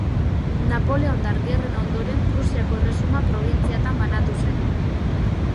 Napoleondar gerren ondoren Prusiako erresuma probintziatan banatu zen.